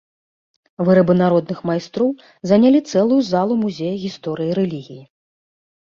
Вырабы народных майстроў занялі цэлую залу музея гісторыі рэлігіі.